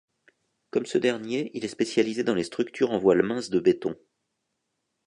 Comme ce dernier, il est spécialisé dans les structures en voiles minces de béton.